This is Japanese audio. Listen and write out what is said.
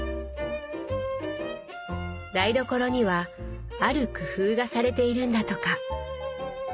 台所にはある工夫がされているんだとか。